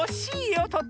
とっても。